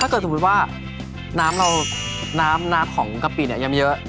ถ้าเกิดสมมุติว่าน้ำน้ำของกะปิอย่างเยอะ